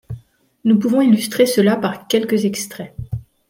Nous pouvons illustrer cela par quelques extraits.